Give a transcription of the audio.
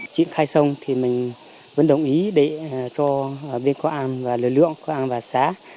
triển khai xong thì mình vẫn đồng ý để cho bên công an và lực lượng công an và xã